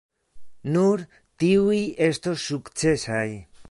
Nur tiuj estos sukcesaj.